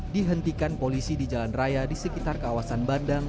dihentikan polisi di jalan raya di sekitar kawasan bandang